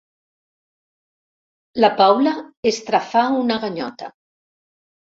La Paula estrafà una ganyota.